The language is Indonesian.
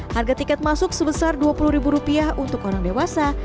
harga tiket masuk sebesar rp dua puluh ribu rupiah untuk orang dewasa